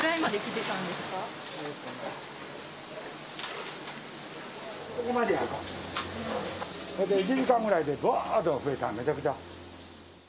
１時間くらいでばーっと増えた、めちゃくちゃ。